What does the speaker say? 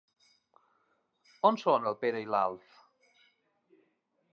On són, el Pere i l'Alf?